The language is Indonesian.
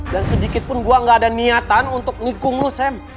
dan sedikitpun gue ga ada niatan untuk nikung lo sam